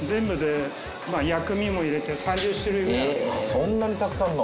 そんなにたくさんの。